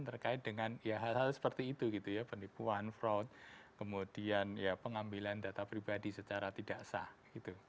terkait dengan ya hal hal seperti itu gitu ya penipuan fraud kemudian ya pengambilan data pribadi secara tidak sah gitu